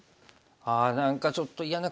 あ何かちょっと嫌な形に。